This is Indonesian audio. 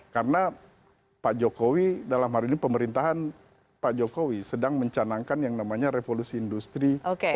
karena pak jokowi dalam hari ini pemerintahan pak jokowi sedang mencanangkan yang namanya revolusi industri empat